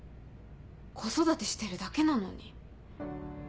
子育てしてるだけなのに。